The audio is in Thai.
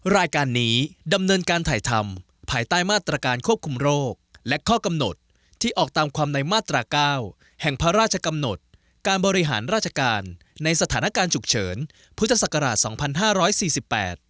รายการนี้ดำเนินการถ่ายทำภายใต้มาตรการควบคุมโรคและข้อกำหนดที่ออกตามความในมาตราเก้าแห่งพระราชกำหนดการบริหารราชการในสถานการณ์ฉุกเฉินพุทธศักราชสองพันห้าร้อยสี่สิบแปด